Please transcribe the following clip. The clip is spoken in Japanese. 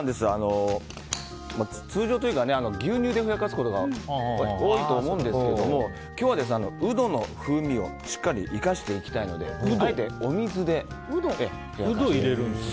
通常、牛乳でふやかすことが多いと思うんですけど今日はウドの風味をしっかり生かしていきたいのでウド入れるんですね。